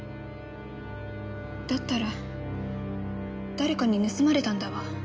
だったら誰かに盗まれたんだわ。